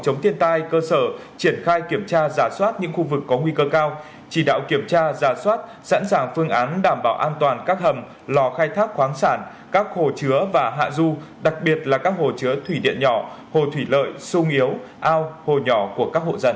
chống thiên tai cơ sở triển khai kiểm tra giả soát những khu vực có nguy cơ cao chỉ đạo kiểm tra giả soát sẵn sàng phương án đảm bảo an toàn các hầm lò khai thác khoáng sản các hồ chứa và hạ du đặc biệt là các hồ chứa thủy điện nhỏ hồ thủy lợi sung yếu ao hồ nhỏ của các hộ dân